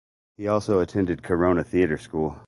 He also attended Corona Theatre School.